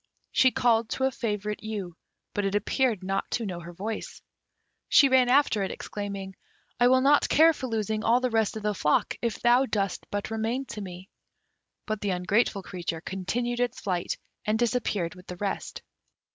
She called to a favourite ewe, but it appeared not to know her voice. She ran after it, exclaiming, "I will not care for losing all the rest of the flock if thou dost but remain to me!" But the ungrateful creature continued its flight, and disappeared with the rest.